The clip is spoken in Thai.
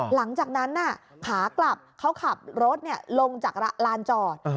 หลังจากนั้นขากลับเขาขับรถลงจากลานจอด